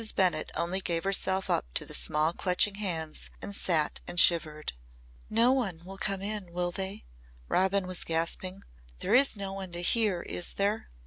Bennett only gave herself up to the small clutching hands and sat and shivered. "No one will come in will they?" Robin was gasping. "There is no one to hear, is there?"